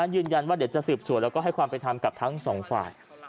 ยืนยันว่าเดี๋ยวจะสืบสวนแล้วก็ให้ความเป็นธรรมกับทั้งสองฝ่าย